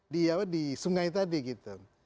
di sungai tadi gitu